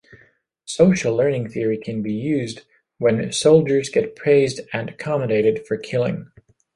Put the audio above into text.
"Social learning theory" can be used when soldiers get praised and accommodated for killing.